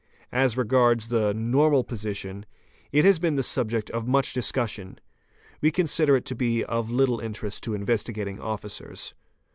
As regards the "normal position', it has been the subject of much discussion; we consider it to be of little interest to Investigating Officers.